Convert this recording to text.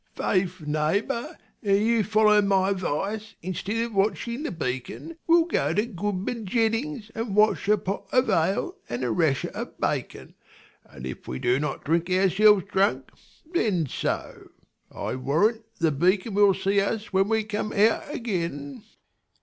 Faith, neighbour, and you'll follow my 'vice, instead of watching the beacon, we'll go to goodman Jennings, and watch a pot of ale and a rasher of bacon : and if we do 98 KING LEIR AND [Acr V not drink ourselves drunk, then so ; I warrant, the beacon will see us when we come out again.